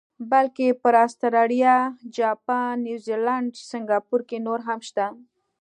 بلکې پر اسټرالیا، جاپان، نیوزیلینډ، سنګاپور کې نور هم شته.